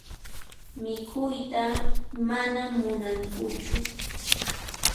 Mikhuyta mana munankuchu.